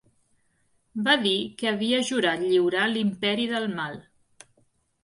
Va dir que havia jurat lliurar l'imperi del mal.